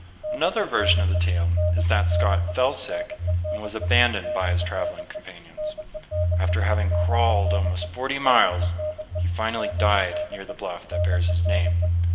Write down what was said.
Another version of the tale is that Scott fell sick and was abandoned by his traveling companions. After having crawled almost forty miles, he finally died near the bluff that bears his name.